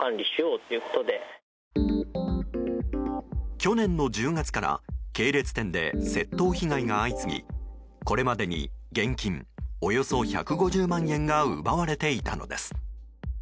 去年の１０月から系列店で窃盗被害が相次ぎこれまでに現金およそ１５０万円が奪われていたのです。